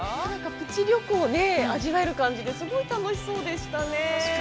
プチ旅行を味わえる感じで、すごい楽しそうでしたね。